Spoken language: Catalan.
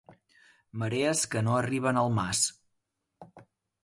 Marees que no arriben al mas.